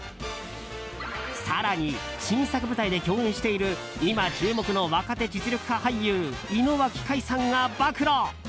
更に、新作舞台で共演している今注目の若手実力派俳優井之脇海さんが暴露。